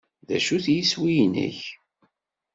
D acu-t yiswi-nnek?